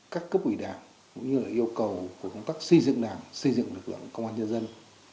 các cấp ủy đảng cũng như là yêu cầu của công tác xây dựng đảng xây dựng lực lượng công an nhân dân